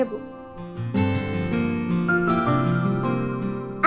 aku suapin ya pa